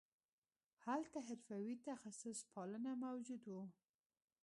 هلته حرفوي تخصص پالنه موجود وو